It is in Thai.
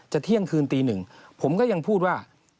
เที่ยงคืนตีหนึ่งผมก็ยังพูดว่า